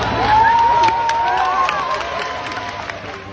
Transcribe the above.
โอ้โฮ